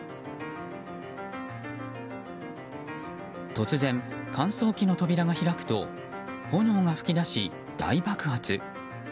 突然、乾燥機の扉が開くと炎が噴き出し大爆発。